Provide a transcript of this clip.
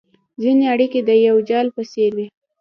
ځیني اړیکي د یو جال په څېر وي